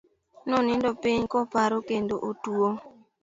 Nonindo piny koparo kendo otuo.